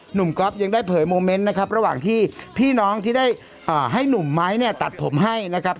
ก๊อฟยังได้เผยโมเมนต์นะครับระหว่างที่พี่น้องที่ได้ให้หนุ่มไม้เนี่ยตัดผมให้นะครับ